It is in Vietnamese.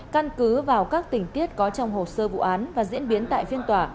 căn cứ vào các tình tiết có trong hồ sơ vụ án và diễn biến tại phiên tòa